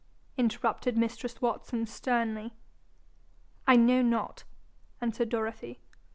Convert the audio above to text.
interrupted mistress Watson sternly. 'I know not,' answered Dorothy.